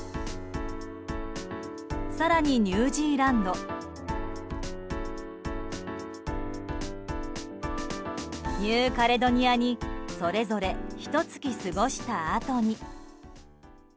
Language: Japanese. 更に、ニュージーランドニューカレドニアにそれぞれひと月、過ごしたあとに。